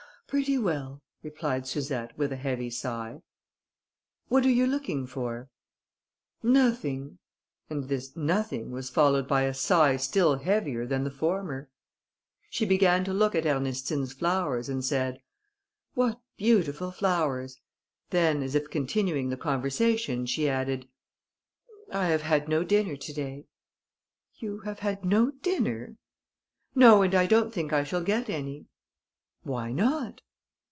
"Pretty well," replied Suzette, with a heavy sigh. "What are you looking for?" "Nothing;" and this nothing was followed by a sigh still heavier than the former. She began to look at Ernestine's flowers, and said, "What beautiful flowers!" then, as if continuing the conversation, she added: "I have had no dinner to day." "You have had no dinner?" "No, and I don't think I shall get any." "Why not?"